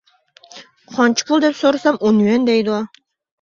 قانچە پۇل دەپ سورىسام، ئون يۈەن دەيدۇ.